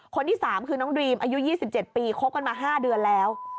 คนที่๓คือน้องดรีมอายุ๒๗ปีคบกันมา๕เดือนแล้ว